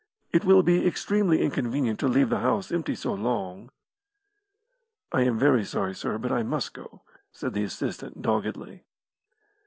It will be extremely inconvenient to leave the house empty so long." "I am very sorry, sir, but I must go," said the assistant, doggedly.